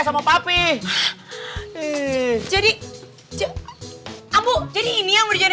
sampai jumpa di video selanjutnya